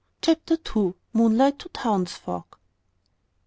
CHAPTER TWO. MOONLIGHT TO TOWNSFOLK.